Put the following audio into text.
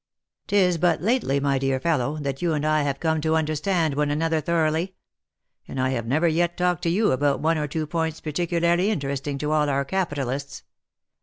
"lis but lately, my dear fellow, that you and I have come to understand one another thoroughly ; and I have never yet talked to you about one or two points particularly interesting to all our capitalists.